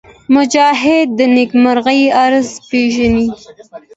مجاهد د نېکمرغۍ راز پېژني.